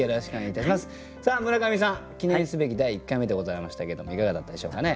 さあ村上さん記念すべき第１回目でございましたけどもいかがだったでしょうかね。